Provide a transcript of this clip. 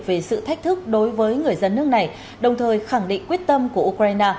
về sự thách thức đối với người dân nước này đồng thời khẳng định quyết tâm của ukraine